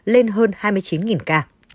lên hơn hai mươi chín ca